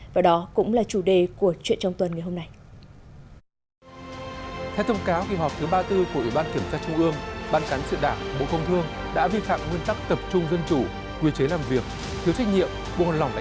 và đó cũng là chủ đề của chuyện trong tuần ngày hôm nay